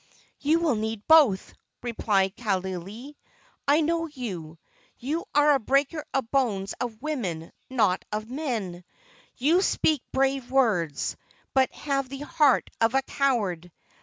"You will need both!" replied Kaaialii. "I know you. You are a breaker of the bones of women, not of men! You speak brave words, but have the heart of a coward.